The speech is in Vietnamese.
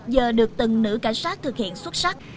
giờ được từng nữ cảnh sát thực hiện xuất sắc